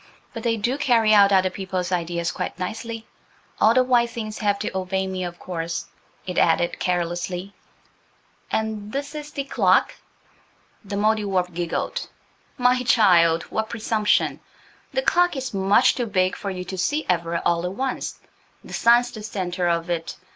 But they do carry out other people's ideas quite nicely. All the white things have to obey me, of course," it added carelessly. "THEY SAT DOWN ON THE CLOSE, WHITE LINE OF DAISIES." "And this is The Clock?" The Mouldiwarp giggled. "My child, what presumption! The clock is much too big for you to see ever–all at once. The sun's the centre of it.